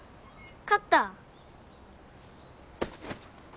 勝った。